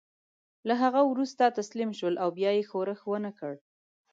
له هغه وروسته تسلیم شول او بیا یې ښورښ ونه کړ.